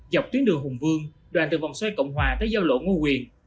dọc tuyến đường hùng vương đoàn từ vòng xoay cộng hòa tới giao lộ ngô quyền